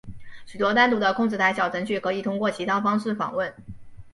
许多单独的控制台小程序可以通过其他方式访问。